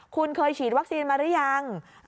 คุณเคยฉีดวัคซีนมาหรือยัง